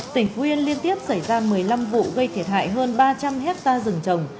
tỉnh phú yên liên tiếp xảy ra một mươi năm vụ gây thiệt hại hơn ba trăm linh hectare rừng trồng